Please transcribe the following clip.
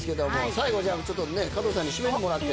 最後加藤さんに締めてもらって。